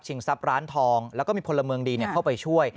ทรัพย์ร้านทองแล้วก็มีพลเมืองดีเข้าไปช่วย